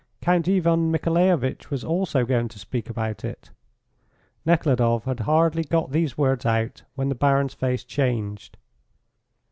"Count Ivan Michaelovitch was also going to speak about it." Nekhludoff had hardly got these words out when the Baron's face changed.